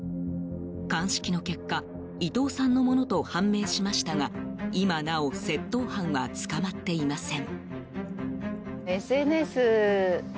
鑑識の結果伊藤さんのものと判明しましが今なお窃盗犯は捕まっていません。